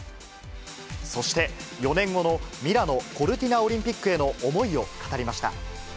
そして、４年後のミラノ・コルティナオリンピックへの思いを語りました。